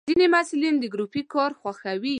ځینې محصلین د ګروپي کار خوښوي.